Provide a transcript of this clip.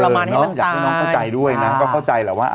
อยากให้น้องเข้าใจด้วยนะก็เข้าใจแหละว่า